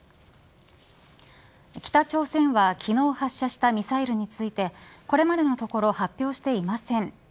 北朝鮮は昨日発射したミサイルについてこれまでのところ発表していません。